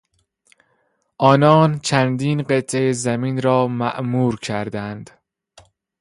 آنان چندین قطعه زمین را معمور کردند.